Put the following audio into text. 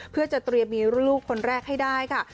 เพื่อจะเตรียมมีลูกคนแรกให้ได้ค่ะ